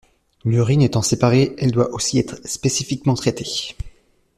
L'urine étant séparée, elle doit aussi être spécifiquement traitée.